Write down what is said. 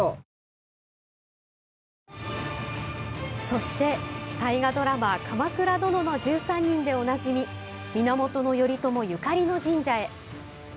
そして、大河ドラマ「鎌倉殿の１３人」でおなじみ源頼朝ゆかりの神社へ。